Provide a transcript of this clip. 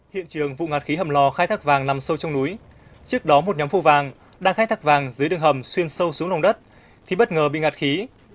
hiện trường vụ ngạt khí hầm lò khai thác vàng nằm sâu trong núi trước đó một nhóm phô vàng đang khai thác vàng dưới đường hầm xuyên sâu xuống lòng đất thì bất ngờ bị ngạt khí